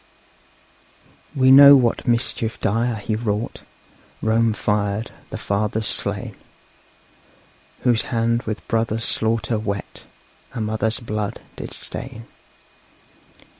SONG VI. NERO'S INFAMY. We know what mischief dire he wrought Rome fired, the Fathers slain Whose hand with brother's slaughter wet A mother's blood did stain.